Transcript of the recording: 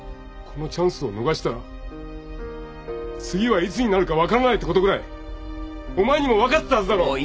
このチャンスを逃したら次はいつになるか分からないってことぐらいお前にも分かってたはずだろ。